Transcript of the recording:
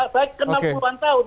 saya kena puluhan tahun